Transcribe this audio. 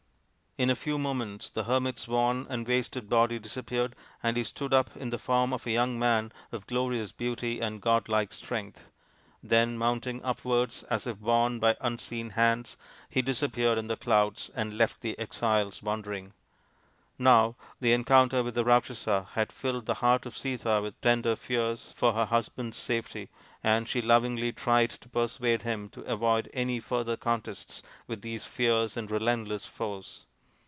In a few moments the hermit's worn and wasted body disappeared, and he stood up in the form of a young man of glorious beauty and RAMA'S QUEST 23 godlike strength. Then, mounting upwards as if borne by unseen hands, he disappeared in the clouds and left the exiles wondering. Now the encounter with the Rakshasa had filled the heart of Sita with tender fears for her husband's safety, and she lovingly tried to persuade him to avoid any further contests with these fierce and relentless foes.